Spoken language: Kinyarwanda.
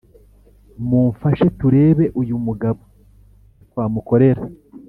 mumfashe turebe uyu mugabo icyo twamukorera